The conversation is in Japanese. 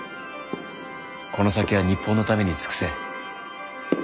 この先は日本のために尽くせ。